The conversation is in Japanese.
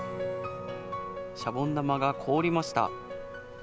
シャボン玉が凍りました。